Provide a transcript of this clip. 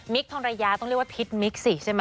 ทองระยาต้องเรียกว่าพิษมิกสิใช่ไหม